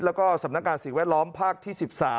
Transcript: แล้วก็สำนักการณ์สิ่งแวดล้อมภาคที่๑๓